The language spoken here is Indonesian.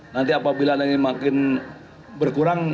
nanti apabila ini makin berkurang